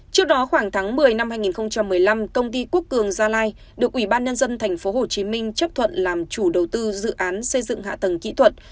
trước đó khoảng tháng một mươi năm hai nghìn một mươi năm công ty quốc cường gia lai được ủy ban nhân dân tp hcm chấp thuận làm chủ đầu tư dự án xây dựng hạ tầng kỹ thuật